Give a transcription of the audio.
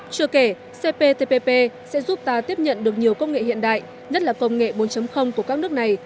chưa kể cptpp sẽ giúp ta tiếp nhận được nhiều công nghệ hiện đại nhất là công nghệ bốn của các nước này